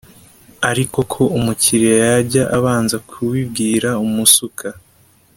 ariko ko umukiriya yajya abanza kubibwira umusuka